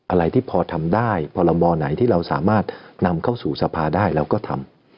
อะไรที่พอทำได้พรบไหนที่เราสามารถนำเข้าสู่สภาได้เราก็ทำ